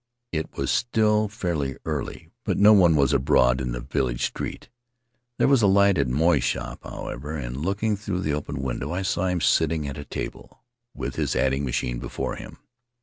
It was still fairly early, but no one was abroad in the village street. There was a light in Moy's shop, however, and looking through the open window I saw him sitting at a table with his adding machine before him.